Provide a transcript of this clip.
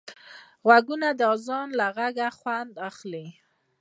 غوږونه د اذان له غږه خوند اخلي